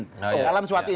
dalam suatu hal